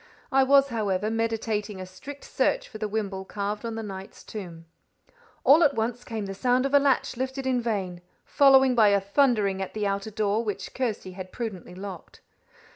I was, however, meditating a strict search for the wimble carved on the knight's tomb. All at once came the sound of a latch lifted in vain, followed by a thundering at the outer door, which Kirsty had prudently locked.